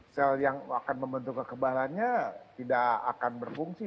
sel yang akan membentuk kekebalannya tidak akan berfungsi